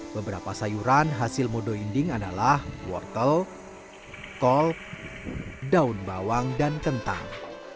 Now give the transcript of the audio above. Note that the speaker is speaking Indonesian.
beberapa sayuran hasil modo inding adalah wortel kol daun bawang dan kentang